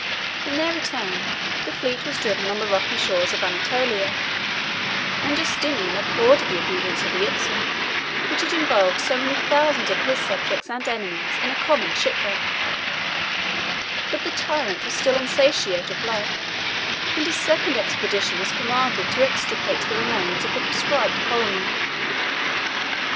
In their return, the fleet was driven on the rocky shores of Anatolia; and Justinian applauded the obedience of the Euxine, which had involved so many thousands of his subjects and enemies in a common shipwreck: but the tyrant was still insatiate of blood; and a second expedition was commanded to extirpate the remains of the proscribed colony.